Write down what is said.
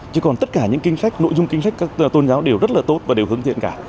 chứ còn tất cả những kinh sách nội dung kinh sách các tôn giáo đều rất là tốt và đều hướng thiện cả